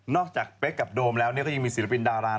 จากเป๊กกับโดมแล้วก็ยังมีศิลปินดารา